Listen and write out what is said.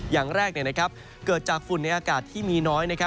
อย่างแรกนะครับเกิดจากฝุ่นในอากาศที่มีน้อยนะครับ